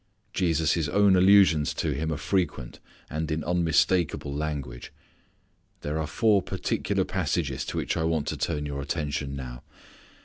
Jesus' own allusions to him are frequent and in unmistakable language. There are four particular passages to which I want to turn your attention now.